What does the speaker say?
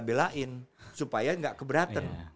belain supaya nggak keberatan